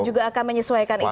juga akan menyesuaikan itu